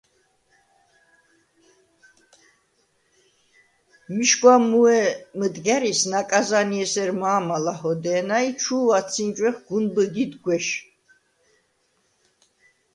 “მიშგუ̂ა მუე მჷდგა̈რის ნაკაზნიე ესერ მა̄მა ლაჰოდე̄ნა ი ჩუუ̂ ადსინჯუ̂ეხ გუნ ბჷგიდ გუ̂ეშ”.